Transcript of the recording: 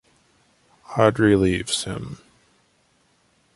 Audrey leaves him.